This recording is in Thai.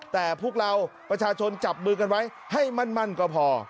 แต่พวกเราประชาชนจับมือกันไว้ให้มั่นก็พอ